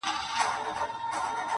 o پردۍ موچڼه پر پښه معلومېږي!